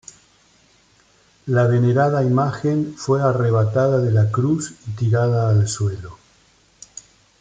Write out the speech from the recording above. La venerada imagen fue arrebatada de la cruz y tirada al suelo.